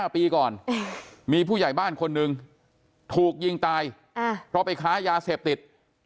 ปีก่อนมีผู้ใหญ่บ้านคนหนึ่งถูกยิงตายเพราะไปค้ายาเสพติด